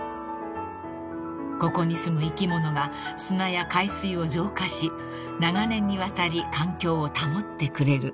［ここにすむ生き物が砂や海水を浄化し長年にわたり環境を保ってくれる］